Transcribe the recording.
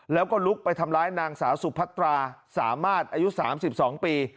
แล้วก็ลุกไปทำร้ายนางสาวสุพัตราสามารถอายุ๓๒ปี